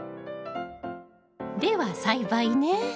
では栽培ね。